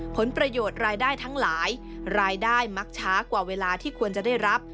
ผลประโยชน์รายได้ทั้งหลายรายได้มักช้ากว่าเวลาที่ควรจะได้รับ